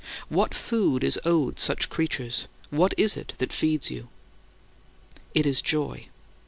What food is owed such creatures; what is it that feeds you? It is joy!